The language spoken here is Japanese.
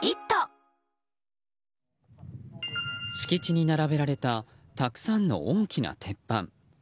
敷地に並べられたたくさんの大きな鉄板。